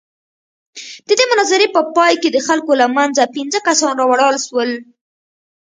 د دې مناظرې په پاى کښې د خلقو له منځه پينځه کسان راولاړ سول.